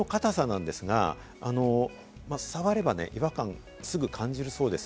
このしこりの硬さなんですが、触ればね、違和感すぐ感じるそうです。